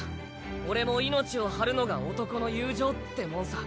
俺も命を張るのが男の友情ってもんさ。